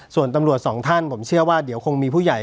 ส่วนตำรวจสองท่านผมเชื่อว่าเดี๋ยวคงมีผู้ใหญ่